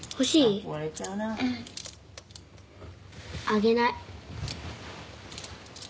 あげない。